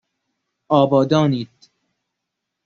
آبادانید